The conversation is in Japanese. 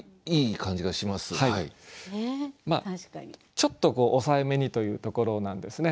ちょっと抑えめにというところなんですね。